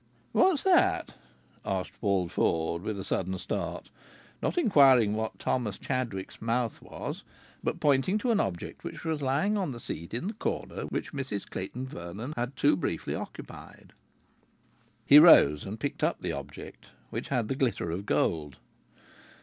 "What's that?" asked Paul Ford, with a sudden start, not inquiring what Thomas Chadwick's mouth was, but pointing to an object which was lying on the seat in the corner which Mrs Clayton Vernon had too briefly occupied. He rose and picked up the object, which had the glitter of gold.